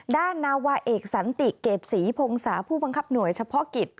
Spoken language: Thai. นาวาเอกสันติเกรดศรีพงศาผู้บังคับหน่วยเฉพาะกิจ